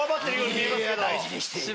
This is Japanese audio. いいや大事にしている。